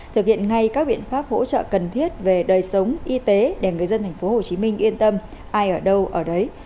thực hiện ngay các biện pháp hỗ trợ cần thiết về đời sống y tế để người dân tp hcm yên tâm ai ở đâu ở đấy